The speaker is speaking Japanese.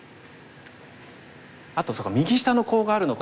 あとそっか右下のコウがあるのか。